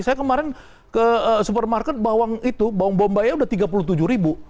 saya kemarin ke supermarket bawang itu bawang bombay udah tiga puluh tujuh ribu